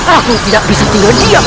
aku tidak bisa tinggal diam